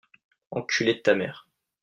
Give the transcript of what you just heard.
Enculé de ta mere